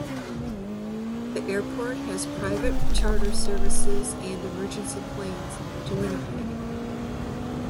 The airport has private charter services and emergency planes to Winnipeg.